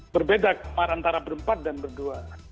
berbeda antara berempat dan berdua